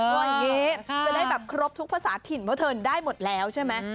ว่าอย่างนี้จะได้แบบครบทุกภาษาถิ่นเพราะเธอได้หมดแล้วใช่ไหม